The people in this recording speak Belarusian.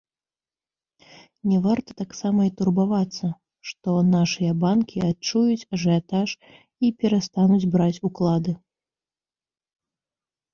Не варта таксама і турбавацца, што нашыя банкі адчуюць ажыятаж і перастануць браць уклады.